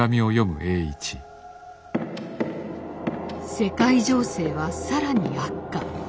世界情勢は更に悪化。